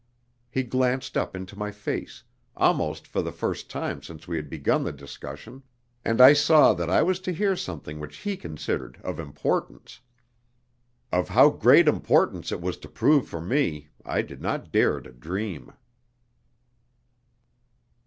He glanced up into my face, almost for the first time since we had begun the discussion, and I saw that I was to hear something which he considered of importance. Of how great importance it was to prove for me, I did not dare to dream.